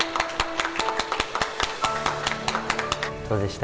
どうでした？